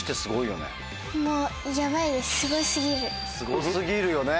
すご過ぎるよね！